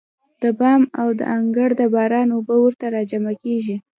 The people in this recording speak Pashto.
د بام او د انګړ د باران اوبه ورته راجمع کېږي.